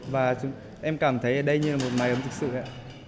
và em cảm thấy ở đây như là một mái ấm thực sự ạ